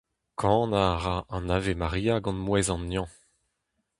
Kanañ a ra an Ave Maria gant mouezh an neñv.